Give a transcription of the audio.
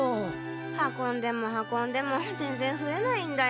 運んでも運んでもぜんぜんふえないんだよ。